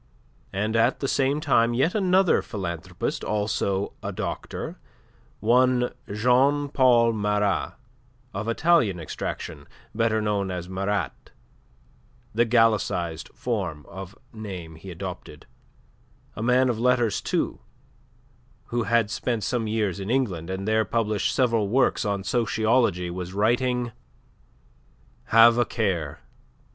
And at the same time yet another philanthropist, also a doctor, one Jean Paul Mara, of Italian extraction better known as Marat, the gallicized form of name he adopted a man of letters, too, who had spent some years in England, and there published several works on sociology, was writing: "Have a care!